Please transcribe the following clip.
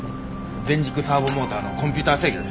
全軸サーボモーターのコンピューター制御です。